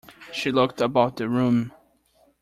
She looked about the room.